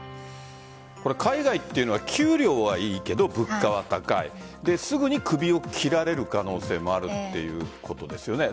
海外というのは給料はいいけど物価は高いすぐに首を切られる可能性もあるということですよね。